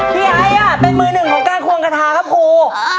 ไอซ์เป็นมือหนึ่งของการควงกระทาครับครู